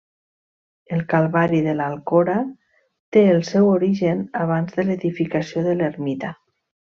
El calvari de l'Alcora té el seu origen abans de l'edificació de l'ermita.